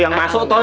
yang masuk toh